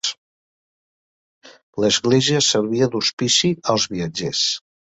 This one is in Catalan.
L'església servia d'hospici als viatgers.